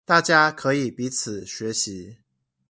大家可以彼此學習